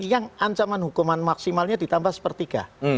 yang ancaman hukuman maksimalnya ditambah sepertiga